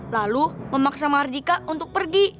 lalu memaksa marjika untuk pergi